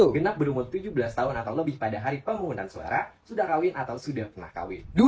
genap berumur tujuh belas tahun atau lebih pada hari pemungutan suara sudah kawin atau sudah pernah kawin